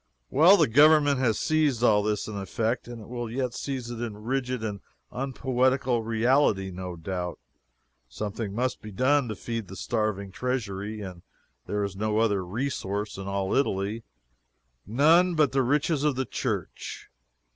Well, the Government has seized all this in effect, and will yet seize it in rigid and unpoetical reality, no doubt. Something must be done to feed a starving treasury, and there is no other resource in all Italy none but the riches of the Church.